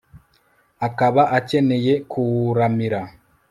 akaba akeneye kuwuramira